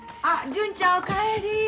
あ純ちゃんお帰り。